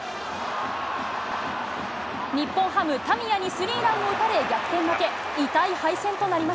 日本ハム、たみやにスリーランを打たれ、逆転負け。